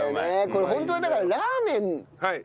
これホントにだからラーメンが元なのかな？